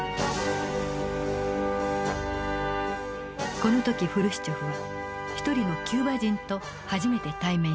この時フルシチョフは一人のキューバ人と初めて対面します。